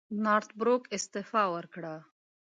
نارت بروک استعفی وکړه.